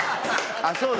あっそうだ。